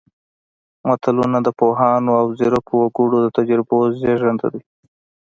متلونه د پوهانو او ځیرکو وګړو د تجربو زېږنده ده